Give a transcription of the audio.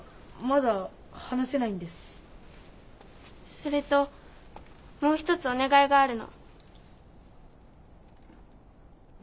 それともう一つお願いがあるの。